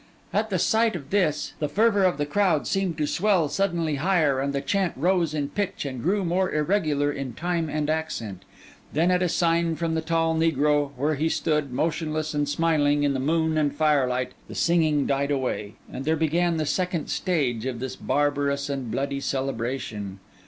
At the sight of this, the fervour of the crowd seemed to swell suddenly higher; and the chant rose in pitch and grew more irregular in time and accent. Then, at a sign from the tall negro, where he stood, motionless and smiling, in the moon and firelight, the singing died away, and there began the second stage of this barbarous and bloody celebration.